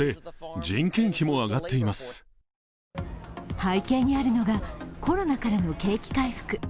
背景にあるのがコロナからの景気回復。